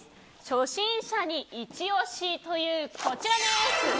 初心者にイチオシというこちらです！